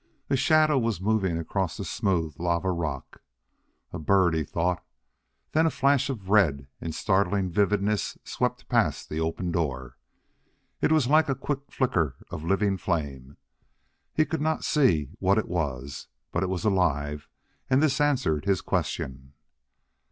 A shadow was moving across the smooth lava rock. "A bird!" he thought. Then a flash of red in startling vividness swept past the open door: it was like a quick flicker of living flame. He could not see what it was, but it was alive and this answered his question.